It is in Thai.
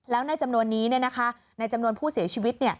แล้วในจำนวนนี้ในจำนวนผู้เสียชีวิต